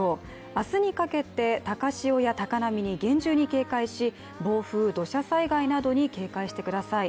明日にかけて高潮や高波に厳重に警戒し暴風、土砂災害などに警戒してください。